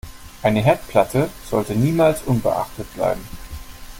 Eine Herdplatte sollte niemals unbeachtet bleiben.